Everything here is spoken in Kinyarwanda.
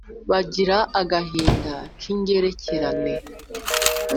bagira agahinda k’ingerekerane,